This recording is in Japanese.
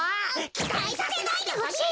きたいさせないでほしいってか！